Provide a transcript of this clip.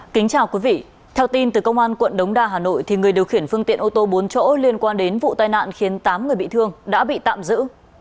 kính chào quý vị theo tin từ công an quận đống đa hà nội người điều khiển phương tiện ô tô bốn chỗ liên quan đến vụ tai nạn khiến tám người bị thương đã bị tạm giữ